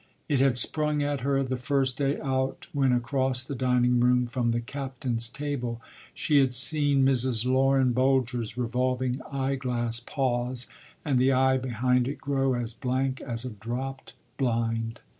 ” It had sprung at her the first day out, when, across the dining room, from the captain’s table, she had seen Mrs. Lorin Boulger’s revolving eye glass pause and the eye behind it grow as blank as a dropped blind.